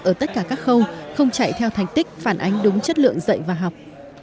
ở tất cả các khâu không chạy theo thành tích phản ánh đúng chất lượng dạy và học